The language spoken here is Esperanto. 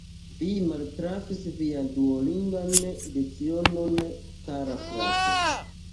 Vi maltrafis vian duolingan lecionon, kara frato.